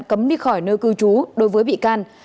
cấm đi khỏi nơi cư trú đối với bị can